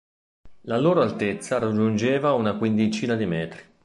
La loro altezza raggiungeva una quindicina di metri.